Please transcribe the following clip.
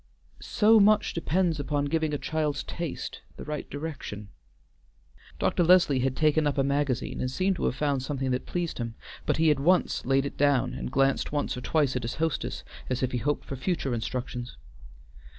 "So much depends upon giving a child's taste the right direction." Dr. Leslie had taken up a magazine, and seemed to have found something that pleased him, but he at once laid it down and glanced once or twice at his hostess, as if he hoped for future instructions.